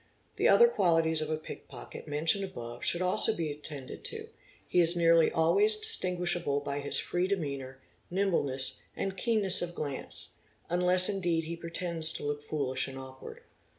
The other qualities of a pickpocket mentioned above should also be attended to: he is nearly always distinguishable by his free demeanour, nimbleness, and keen ness of glance—unless indeed he pretends to look foolish and awkward.